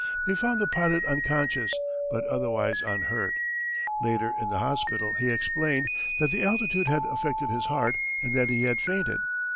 They found the pilot unconscious, but otherwise unhurt. Later in the hospital he explained that the altitude had affected his heart and that he had fainted.